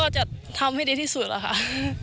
ก็จะทำให้ดีที่สุดค่ะ